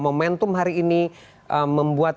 momentum hari ini membuat